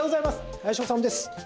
林修です。